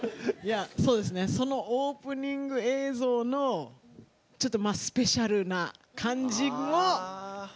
そのオープニング映像のちょっと、スペシャルな感じを。